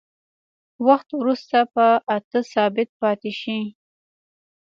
وخت وروسته په اته ثابت پاتې شي.